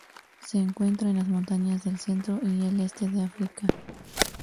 Se encuentra en las montañas del centro y el este de África.